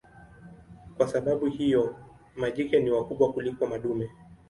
Kwa sababu ya hiyo majike ni wakubwa kuliko madume.